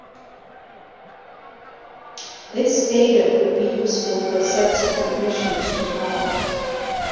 This data would be useful for subsequent missions to Mars.